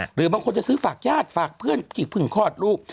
หรือบางคนจะซื้อฝากญาติฝากเพื่อนที่เพิ่งคลอดลูก